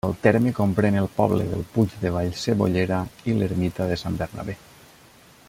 El terme comprèn el poble del Puig de Vallcebollera i l'ermita de Sant Bernabé.